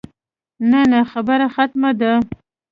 نه نه خبره ختمه ده.